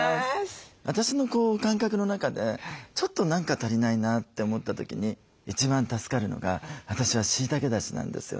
私の感覚の中でちょっと何か足りないなって思った時に一番助かるのが私はしいたけだしなんですよね。